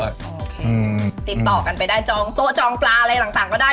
โอเคติดต่อกันไปได้จองโต๊ะจองปลาอะไรต่างก็ได้